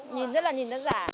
nhìn rất là nhìn rất giả